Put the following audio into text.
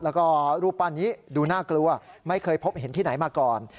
แล้วก็รูปปั้นนี้ดูน่ากลัวไม่เคยพบเห็นที่ไหนมาก่อน